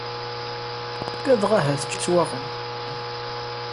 Ugadeɣ ahat ččiɣ kra yettwaɣen.